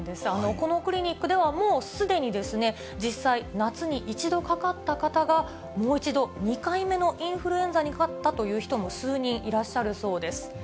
このクリニックでは、もうすでに、実際、夏に１度かかった方が、もう一度、２回目のインフルエンザにかかったという人も数人いらっしゃるそうです。